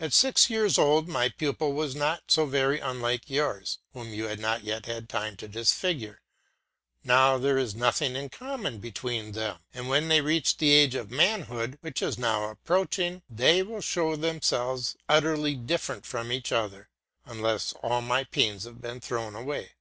At six years old my pupil was not so very unlike yours, whom you had not yet had time to disfigure; now there is nothing in common between them; and when they reach the age of manhood, which is now approaching, they will show themselves utterly different from each other, unless all my pains have been thrown away.